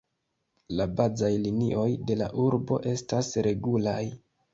La bazaj linioj de la urbo estas regulaj.